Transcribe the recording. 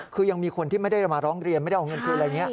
คือยังมีคนที่ไม่ได้มาร้องเรียนไม่ได้เอาเงินคืนอะไรอย่างนี้